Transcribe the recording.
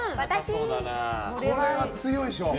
これは強いでしょう。